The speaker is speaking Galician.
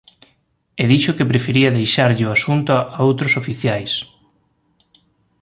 E dixo que prefería deixarlle o asunto a outros oficiais.